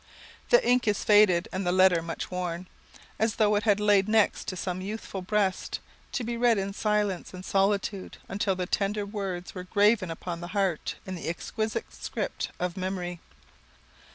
The ink is faded and the letter much worn, as though it had lain next to some youthful breast, to be read in silence and solitude until the tender words were graven upon the heart in the exquisite script of Memory.